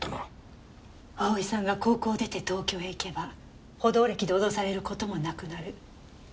蒼さんが高校を出て東京へ行けば補導歴で脅される事もなくなる。